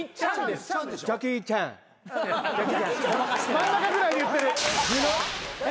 真ん中ぐらいで言ってる。